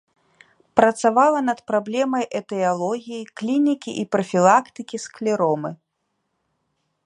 Працавала над праблемай этыялогіі, клінікі і прафілактыкі склеромы.